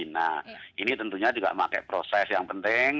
nah ini tentunya juga memakai proses yang penting